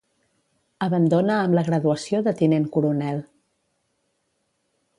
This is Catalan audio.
Abandona amb la graduació de tinent coronel.